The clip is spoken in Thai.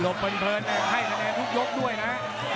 หลบเผินเผินให้แสดงทุกยกด้วยนะ